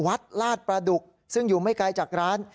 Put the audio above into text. ลาดประดุกซึ่งอยู่ไม่ไกลจากร้าน